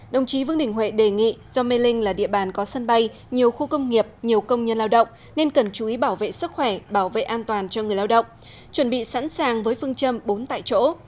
đồng chí vương đình huệ đề nghị do mê linh là địa bàn có sân bay nhiều khu công nghiệp nhiều công nhân lao động nên cần chú ý bảo vệ sức khỏe bảo vệ an toàn cho người lao động chuẩn bị sẵn sàng với phương châm bốn tại chỗ